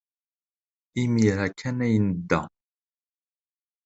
Imir-a kan ay nedda.